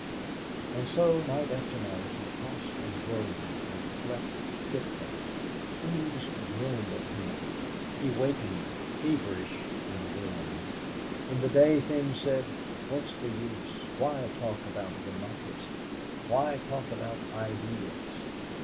And so, night after night, he tossed and groaned, and slept fitfully. Things grinned at him. He wakened feverish and worn. In the day things said, "What's the use? Why talk about democracy? Why talk about ideals?"